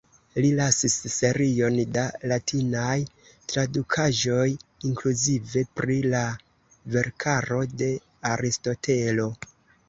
Li lasis serion da latinaj tradukaĵoj, inkluzive pri la verkaro de Aristotelo.